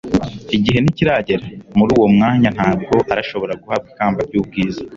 Igihe ntikiragera; muri uwo mwanya ntabwo arashobora guhabwa ikamba ry'ubwiza